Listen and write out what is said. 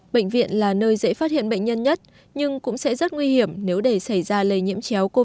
bệnh viện là nơi dễ phát hiện bệnh nhân nhất nhưng cũng sẽ rất nguy hiểm nếu để xảy ra lây nhiễm chéo covid một mươi chín